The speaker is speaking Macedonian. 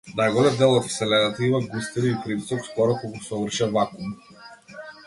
Најголем дел од вселената има густина и притисок скоро колку совршен вакуум.